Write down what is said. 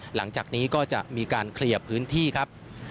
หลังจากนี้ก็จะมีการเคลียร์พื้นที่ครับ